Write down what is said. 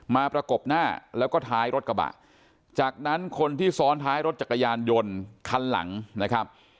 ประกบหน้าแล้วก็ท้ายรถกระบะจากนั้นคนที่ซ้อนท้ายรถจักรยานยนต์คันหลังนะครับ